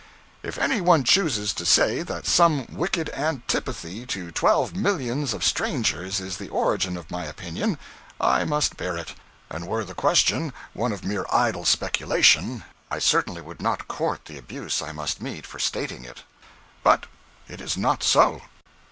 If any one chooses to say that some wicked antipathy to twelve millions of strangers is the origin of my opinion, I must bear it; and were the question one of mere idle speculation, I certainly would not court the abuse I must meet for stating it. But it is not so.